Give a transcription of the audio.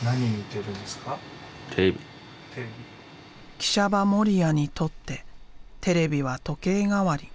喜舎場盛也にとってテレビは時計代わり。